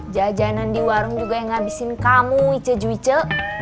jajanan di warung juga yang ngabisin kamu ije juwice